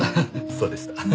そうでした。